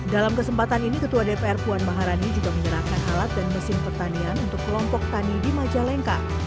dalam kesempatan ini ketua dpr puan maharani juga menyerahkan alat dan mesin pertanian untuk kelompok tani di majalengka